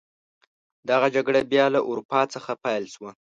دغه جګړه بیا له اروپا څخه پیل شوه.